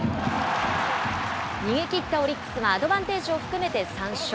逃げきったオリックスはアドバンテージを含めて３勝。